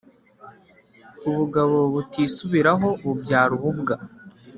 ubugabo butisubiraho bubyara ububwa